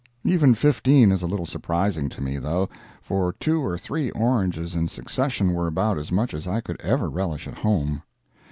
Even fifteen is a little surprising to me, though, for two or three oranges in succession were about as much as I could ever relish at home.